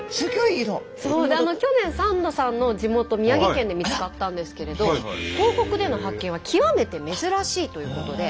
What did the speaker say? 去年サンドさんの地元宮城県で見つかったんですけれど東北での発見は極めて珍しいということで。